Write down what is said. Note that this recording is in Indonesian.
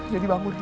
jadi bangun ri